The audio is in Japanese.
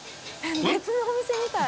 別のお店みたい。